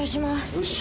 よし！